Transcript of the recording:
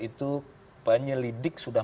itu penyelidik sudah